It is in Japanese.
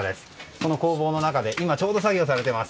この工房の中で今ちょうど作業されています。